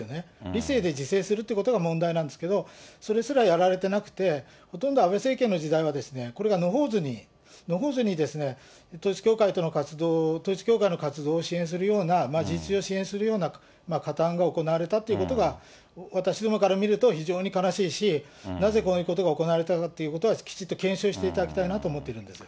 理性で自制するっていうことが問題なんですけど、それすらやられてなくて、ほとんど安倍政権の時代は、これが野放図に、野放図にですね、統一教会との活動、統一教会の活動を支援するような、事実上支援するような加担が行われたということが、私どもから見ると非常に悲しいし、なぜこういうことが行われたかということは、きちっと検証していただきたいなと思っているんです。